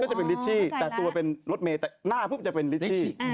จะเป็นลิชชี่แต่ตัวเป็นรถเมย์แต่หน้าปุ๊บจะเป็นลิชชี่